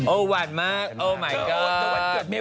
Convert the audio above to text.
โอ้หวันมากโอ้ไหมเกิบ